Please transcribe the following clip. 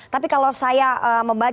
tapi kalau saya membayangkan